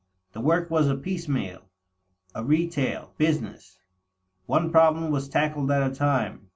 The work was a piecemeal, a retail, business. One problem was tackled at a time.